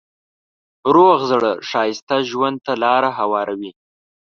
روغ زړه ښایسته ژوند ته لاره هواروي.